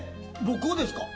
僕をですか？